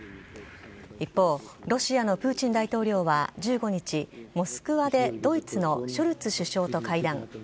一方、ロシアのプーチン大統領は１５日、モスクワでドイツのショルツ首相と会談。